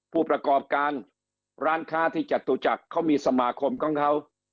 ผู้ประกอบการร้านค้าที่จตุจักรเขามีสมาคมของเขา